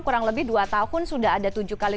kurang lebih dua tahun sudah ada tujuh kali